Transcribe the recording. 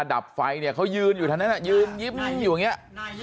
ดับไฟเนี่ยเขายืนอยู่ทางนั้นน่ะยืนยิ้มอยู่อย่างเงี้ยค่ะ